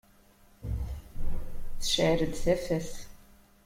Tecεel-d tafat.